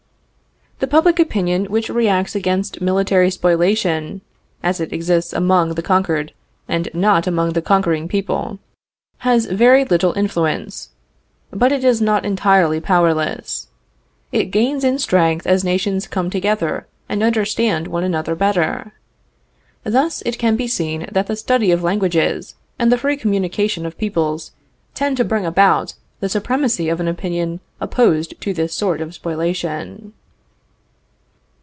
The public opinion which reacts against military spoliation, (as it exists among the conquered and not among the conquering people), has very little influence. But it is not entirely powerless. It gains in strength as nations come together and understand one another better. Thus, it can be seen that the study of languages and the free communication of peoples tend to bring about the supremacy of an opinion opposed to this sort of spoliation.